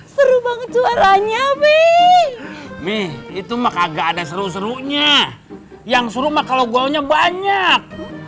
seru banget juaranya nih itu mah kagak ada seru serunya yang suruh mah kalau gua punya banyak